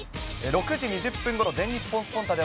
６時２０分ごろ、全日本スポンタっ！